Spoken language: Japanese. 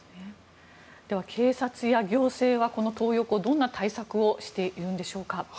では、警察や行政はこのトー横どんな対策をしているんでしょうか。